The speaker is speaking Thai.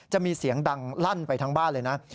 จะมีเสียงดังลั่นไปทั้งบ้านเลยนะ